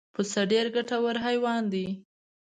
پسه ډېر ګټور حیوان دی.